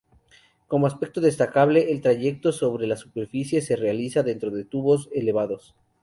Como aspecto destacable, el trayecto sobre la superficie se realiza dentro de tubos elevados.